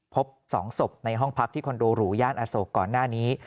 พบ๒ศพในห้องพักที่คอนโดหรูย่านอโศกก่อนหน้านี้